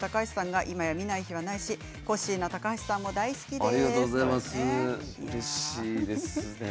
今は見ない日はないしコッシーの高橋さんも大好きです。